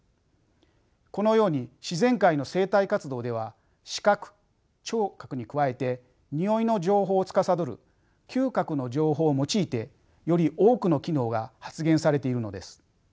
このように自然界の生態活動では視覚聴覚に加えてにおいの情報をつかさどる嗅覚の情報を用いてより多くの機能が発現されているのです。